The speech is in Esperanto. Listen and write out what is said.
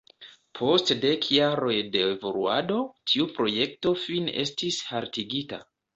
Post dek jaroj de evoluado tiu projekto fine estis haltigita.